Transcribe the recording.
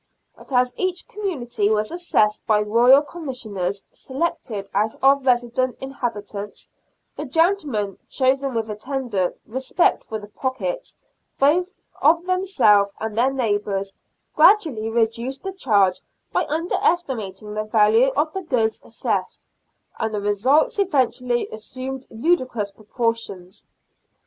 But as each community was assessed by Royal Commissioners selected out of resident inhabitants, the gentlemen chosen — with a tender respect for the pockets both of themselves and their neighbours — gradually reduced the charge by underestimating the value of the goods assessed, and the results eventually assumed ludicrous proportions.